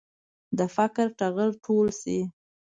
د فقر ټغر ټول شي.